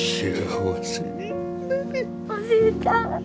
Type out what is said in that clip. おじいちゃん。